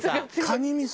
カニ